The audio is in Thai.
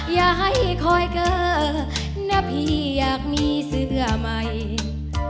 อย่าให้คอยเกอร์นะพี่อยากมีเสื้อใหม่